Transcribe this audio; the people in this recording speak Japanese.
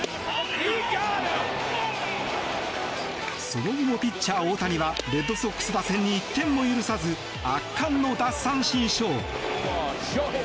その後もピッチャー・大谷はレッドソックス打線に１点も許さず圧巻の奪三振ショー。